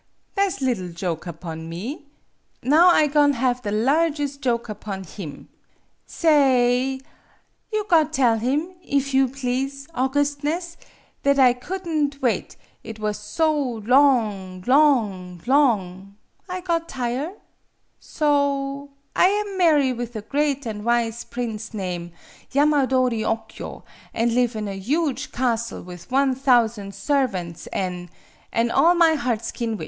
Tha' 's liddle joke upon me. Now I go'n' have the larges' joke upon him. Sa ay you got tell him, if you please, augustness, that I could n't wait, it was so long long long! I got tire'. So lam marry with a great an' wise prince name' Yamadori Okyo, an' live in a huge castle with one thousan' servants, an' an' all my hearts kin wish!